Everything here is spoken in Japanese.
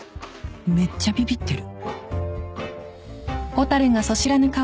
めっちゃビビってる